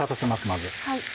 まず。